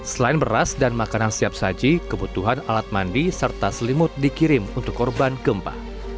selain beras dan makanan siap saji kebutuhan alat mandi serta selimut dikirim untuk korban gempa